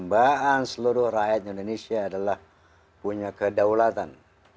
kembaan seluruh rakyat indonesia adalah punya kedaulatan